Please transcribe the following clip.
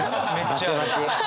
バチバチ。